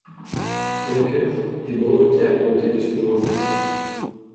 Walker est breveté à compter de ce jour-là.